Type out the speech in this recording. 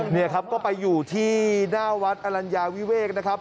นี่ครับก็ไปอยู่ที่หน้าวัดอลัญญาวิเวกนะครับ